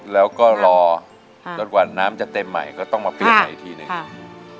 แล้วก็รอจนกว่าน้ำจะเต็มใหม่ก็ต้องมาเปลี่ยนใหม่ทีนึง